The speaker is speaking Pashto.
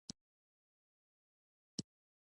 په پاکستان کې د اسلام تر نامه لاندې ناروا کړنې کیږي